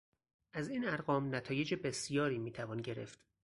از این ارقام نتایج بسیاری میتوان گرفت.